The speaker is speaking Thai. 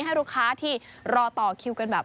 ให้ลูกค้าที่รอต่อคิวกันแบบ